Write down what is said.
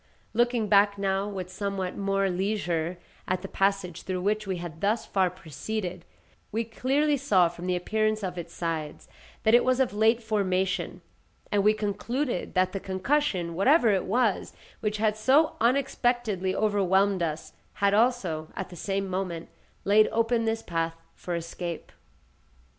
Looking back now, with somewhat more leisure, at the passage through which we had thus far proceeded, we clearly saw from the appearance of its sides, that it was of late formation, and we concluded that the concussion, whatever it was, which had so unexpectedly overwhelmed us, had also, at the same moment, laid open this path for escape.